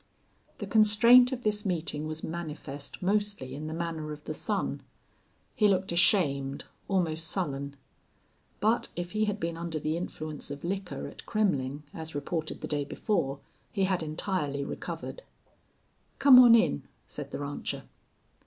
The constraint of this meeting was manifest mostly in the manner of the son. He looked ashamed, almost sullen. But if he had been under the influence of liquor at Kremmling, as reported the day before, he had entirely recovered. "Come on in," said the rancher.